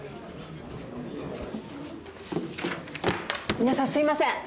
皆さんすいません。